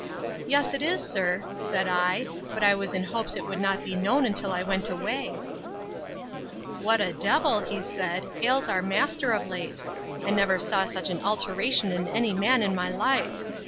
Yes it is, sir, said I; but I was in hopes it would not be known till I went away. What a d—l, said he, ails our master of late! I never saw such an alteration in any man in my life!